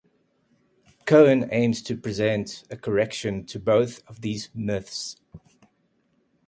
Cohen aims to present a correction to both these "myths".